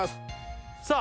さあ